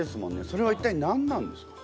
それは一体何なんですか？